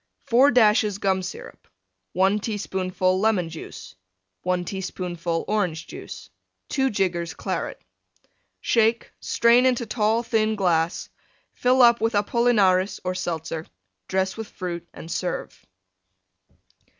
4 dashes Gum Syrup. 1 teaspoonful Lemon Juice. 1 teaspoonful Orange Juice. 2 jiggers Claret. Shake; strain into tall, thin glass; fill up with Apollinaris or Seltzer; dress with Fruit and serve.